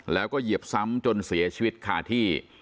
แล้วก็เหยียบซ้ำจนเสียชีวิตคาที่